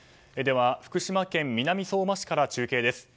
では福島県南相馬市から中継です。